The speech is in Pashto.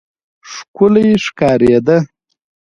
ښکلی ښکارېده.